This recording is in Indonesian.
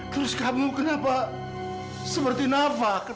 terus kamu kenapa seperti nafa